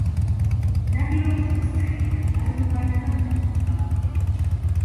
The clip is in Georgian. ნადირობის დროს ცხენიდან გადმოვარდა და მოკვდა.